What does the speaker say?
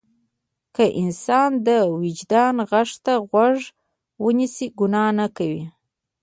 که انسان د وجدان غږ ته غوږ ونیسي ګناه نه کوي.